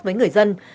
với người dân